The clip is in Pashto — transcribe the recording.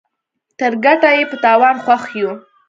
تر ګټه ئې په تاوان خوښ يو.